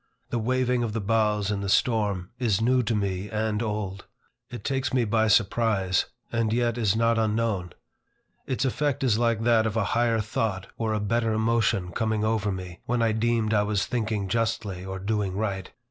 The waving of the boughs in the storm, is new to me and old. It takes me by surprise, and yet is not unknown. Its effect is like that of a higher thought or a better emotion coming over me, when I deemed I was thinking justly or doing right.